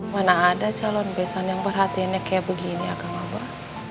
mana ada calon besan yang perhatiannya kayak begini ya kak mbak